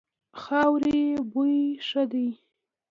خاورې بوی ښه دی.